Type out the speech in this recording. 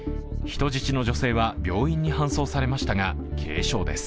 人質の女性は病院に搬送されましたが軽傷です。